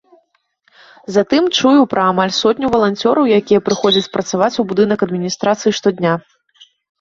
Затым чую пра амаль сотню валанцёраў, якія прыходзяць працаваць у будынак адміністрацыі штодня.